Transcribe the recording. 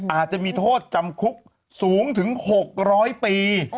อาจจะมีโทษจำคุกสูงถึง๖๐๐ปี